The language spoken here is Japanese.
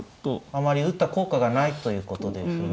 あまり打った効果がないということで歩に。